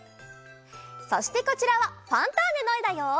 そしてこちらは「ファンターネ！」のえだよ。